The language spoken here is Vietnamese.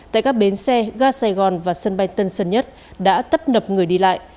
tại các bến xe ga sài gòn và sân bay tân sơn nhất đã tấp nập người đi lại